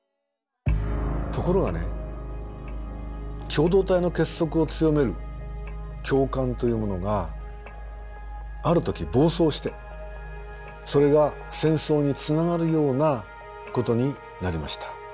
ところがね共同体の結束を強める共感というものがある時暴走してそれが戦争につながるようなことになりました。